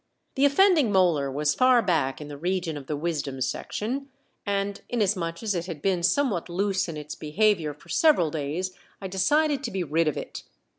The offending molar was far back in the region of the wisdom section, and inasmuch as it had been somewhat loose in its behavior for several days I decided to be rid of it.